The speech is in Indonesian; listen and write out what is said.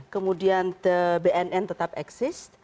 kemudian bnn tetap eksis